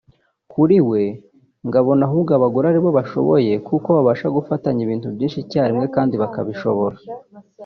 Kuri we ngo abona ahubwo abagore ari bo bashoboye kuko ngo babasha gufatanya ibintu byinshi icyarimwe kandi bakabishobora